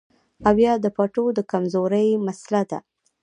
او يا د پټو د کمزورۍ مسئله وي